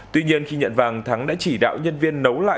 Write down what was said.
tuy nhiên khi nhận vàng thắng đã chỉ đạo nhân viên nấu lại